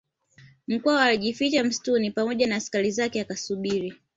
Mkwawa alijificha msituni pamoja na askari zake akasubiri